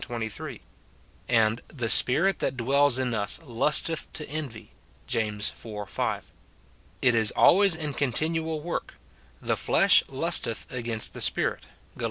23 ; and "the spirit tliat dwells in us lusteth to envy," James iv. 5. It is always in continual work ;" the flesh lusteth against the Spirit," Gal.